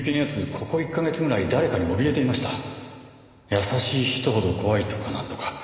「優しい人ほど怖い」とかなんとか。